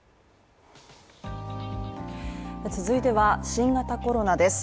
続いては、新型コロナです。